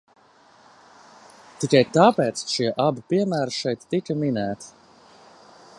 Tikai tāpēc šie abi piemēri šeit tika minēti.